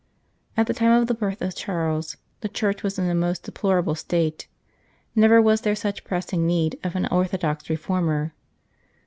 At the time of the birth of Charles, the Church was in a most deplorable state ; never was there such pressing need of an orthodox reformer.